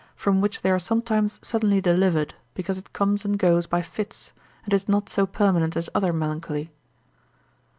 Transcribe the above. from which they are sometimes suddenly delivered, because it comes and goes by fits, and is not so permanent as other melancholy.